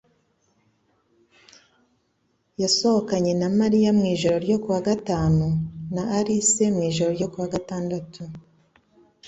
yasohokanye na Mariya mu ijoro ryo ku wa gatanu na Alice mu ijoro ryo ku wa gatandatu.